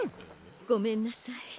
ごめんなさい。